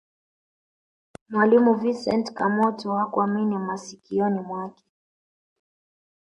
mwalimu vincent kamoto hakuamini masikioni mwake